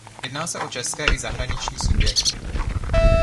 Jedná se o české i zahraniční subjekty.